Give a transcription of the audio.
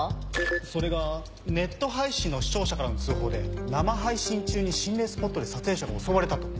それがネット配信の視聴者からの通報で生配信中に心霊スポットで撮影者が襲われたと。